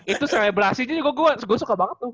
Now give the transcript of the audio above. itu seleblasinya juga gue suka banget tuh